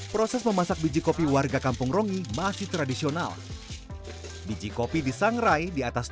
proses memasak biji kopi warga kampung rongi masih tradisional biji kopi di sangrai diatas